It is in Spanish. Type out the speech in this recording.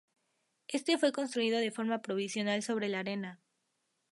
Este fue construido de forma provisional sobre la arena.